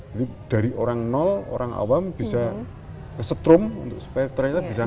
jadi dari orang nol orang awam bisa kesetrum supaya ternyata bisa nabung